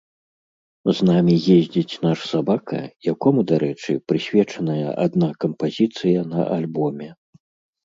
З намі ездзіць наш сабака, якому, дарэчы, прысвечаная адна кампазіцыя на альбоме.